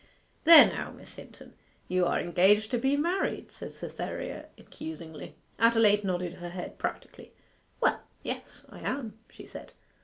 'There now Miss Hinton; you are engaged to be married!' said Cytherea accusingly. Adelaide nodded her head practically. 'Well, yes, I am,' she said.